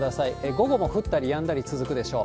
午後も降ったりやんだり続くでしょう。